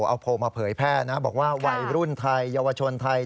เอาโพลมาเผยแพร่นะบอกว่าวัยรุ่นไทยเยาวชนไทย